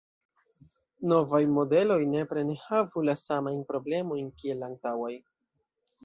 Novaj modeloj nepre ne havu la samajn problemojn kiel la antaŭaj.